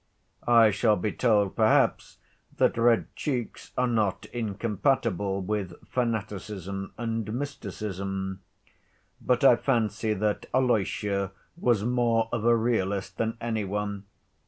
I shall be told, perhaps, that red cheeks are not incompatible with fanaticism and mysticism; but I fancy that Alyosha was more of a realist than any one.